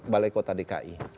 balai kota dki